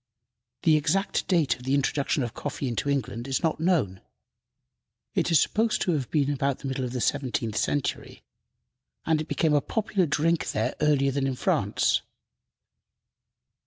The exact date of the introduction of coffee into England is not known. It is supposed to have been about the middle of the seventeenth century, and it became a popular drink there earlier than in France.